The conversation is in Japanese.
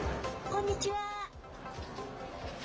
こんにちは。